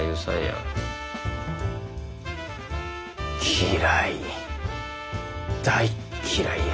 嫌い大嫌いや。